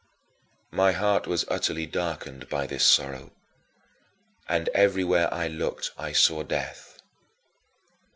9. My heart was utterly darkened by this sorrow and everywhere I looked I saw death.